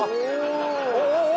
お！